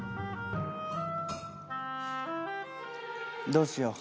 どうしよう。